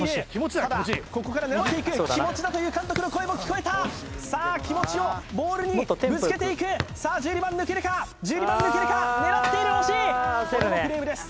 ただここから狙っていく「気持ちだ」という監督の声も聞こえたさあ気持ちをボールにぶつけていくさあ１２番抜けるか１２番抜けるか狙っている惜しいこれもフレームです